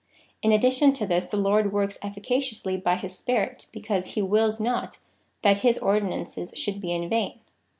In addition to this, the Lord works efficaciously by his Spirit, because he wills not that his ordinances should be vain.